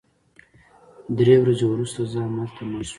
درې ورځې وروسته زه همالته مړ شوم